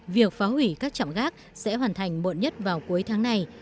việc phá hủy các trạm gác sẽ hoàn thành muộn nhất vào cuối tháng này